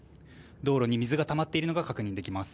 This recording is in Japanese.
道路に水がたまっているのが確認できます。